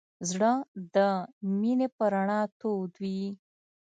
زړه د مینې په رڼا تود وي.